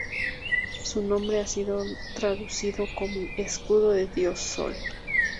Su nombre ha sido traducido como "Escudo del Dios Sol".